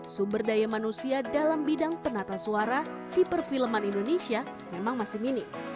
sumber daya manusia dalam bidang penata suara di perfilman indonesia memang masih minim